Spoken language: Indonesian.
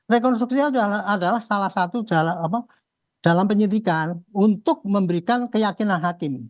rekonstruksi adalah salah satu dalam penyidikan untuk memberikan keyakinan hakim